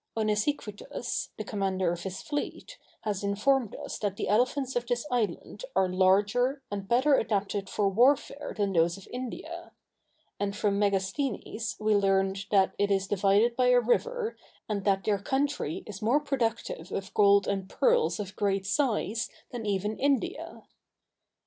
Onesicritus, the commander of his fleet, has informed us that the elephants of this island are larger, and better adapted for warfare than those of India; and from Megasthenes we learn that it is divided by a river, and that their country is more productive of gold and pearls of great size than even India.